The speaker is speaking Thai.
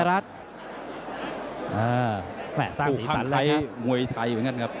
อ่าสร้างสีสันแล้วครับคู่ข้างไทยมวยไทยอยู่อย่างนั้นครับ